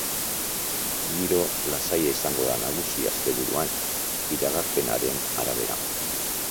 Giro lasaia izango da nagusi asteburuan, iragarpenaren arabera.